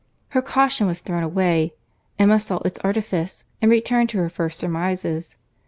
Her caution was thrown away. Emma saw its artifice, and returned to her first surmises.